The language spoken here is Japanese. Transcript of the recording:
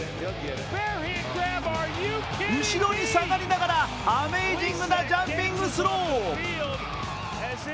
後ろに下がりながらアメージングなジャンピングスロー。